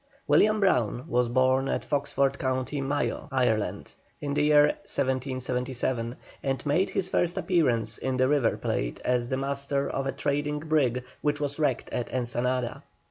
William Brown was born at Foxford, Co. Mayo, Ireland, in the year 1777, and made his first appearance in the River Plate as master of a trading brig which was wrecked at Ensenada.